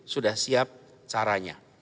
sudah siap caranya